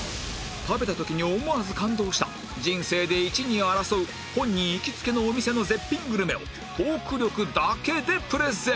食べた時に思わず感動した人生で一二を争う本人行きつけのお店の絶品グルメをトーク力だけでプレゼン！